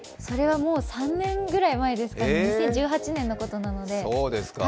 それはもう３年ぐらい前ですかね、２０１８年のことなので。